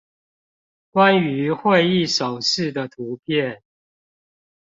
關於會議手勢的圖片